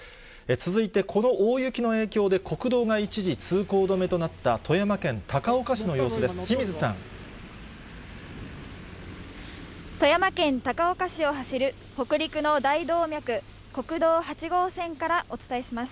続いてこの大雪の影響で、国道が一時通行止めとなった、富山県高岡市の様子です。